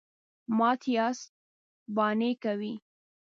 _مات ياست، بانې کوئ.